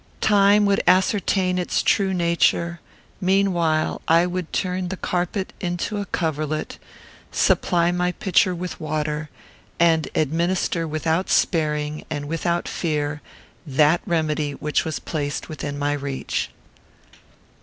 Time would ascertain its true nature; meanwhile, I would turn the carpet into a coverlet, supply my pitcher with water, and administer without sparing, and without fear, that remedy which was placed within my reach.